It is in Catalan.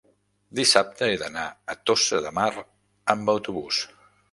dissabte he d'anar a Tossa de Mar amb autobús.